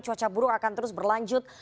cuaca buruk akan terus berlanjut